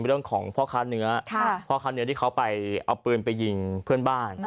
เรื่องของพ่อค้าเนื้อพ่อค้าเนื้อที่เขาไปเอาปืนไปยิงเพื่อนบ้าน